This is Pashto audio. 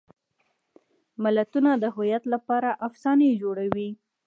ملتونه د هویت لپاره افسانې جوړوي.